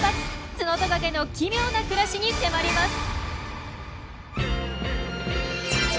ツノトカゲの奇妙な暮らしに迫ります。